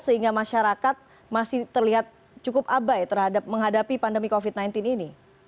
sehingga masyarakat masih terlihat cukup abai terhadap menghadapi pandemi covid sembilan belas ini